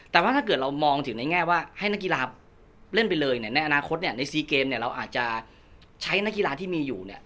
แต่ว่าถ้าเกิดเรามองถึงในแง่ว่าให้นักกีฬาเล่นไปเลยในอนาคตใน๔เกมเนี่ยเราอาจจะใช้นักกีฬาที่มีอยู่เนี่ย